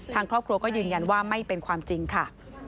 ทางครอบครัวก็ยืนยันว่าไม่เป็นความจริงค่ะ